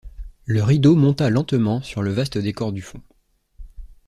Le rideau monta lentement sur le vaste décor du fond.